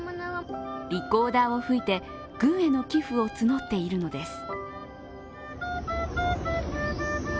リコーダーを吹いて軍への寄付を募っているのです。